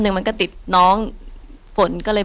อยู่ที่แม่ศรีวิรัยิลครับ